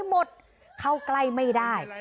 หมดเข้าใกล้ไม่ได้